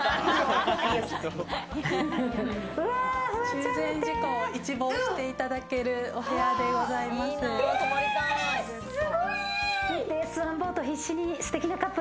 中禅寺湖を一望していただけるお部屋でございます。